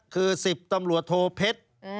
คือ๑๐ตำรวจโทเพชร